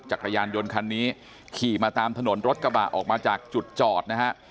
จักรยานยนต์คันนี้ขี่มาตามถนนรถกระบะออกมาจากจุดจอดนะฮะ